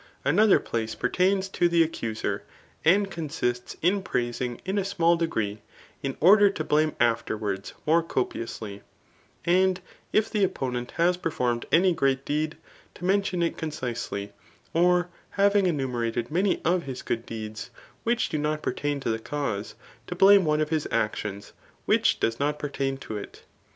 Another place peitains to the accuser, and consists in praising in a small degree, in order to blame afterwards more copiously ; and if the opponent has performed any g^eat deed, to mention it concisely ; or having enume xated many of his good deeds, [which do not pertain to the cause,] to blame one of his actions, which does per tain to it.